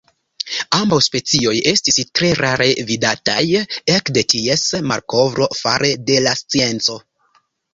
Ambaŭ specioj estis tre rare vidataj ekde ties malkovro fare de la scienco.